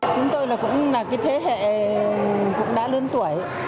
chúng tôi cũng là thế hệ đã lớn tuổi